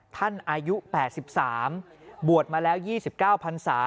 อายุ๘๓บวชมาแล้ว๒๙พันศา